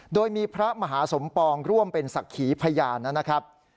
โดยมีพระมหาสมปองร่วมเป็นศักดิ์ขีพยานนะครับ